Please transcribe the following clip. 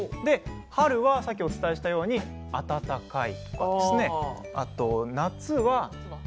「春」はさっきお伝えしたように「暖かい」ですとか。